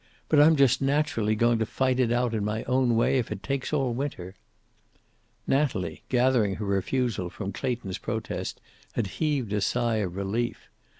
But I'm just naturally going to fight it out in my own way if it takes all winter." Natalie, gathering her refusal from Clayton's protest, had heaved a sigh of relief.